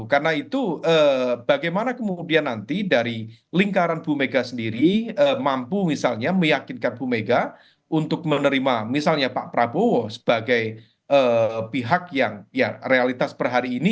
karena itu bagaimana kemudian nanti dari lingkaran bumega sendiri mampu misalnya meyakinkan bumega untuk menerima misalnya pak prabowo sebagai pihak yang realitas perhari ini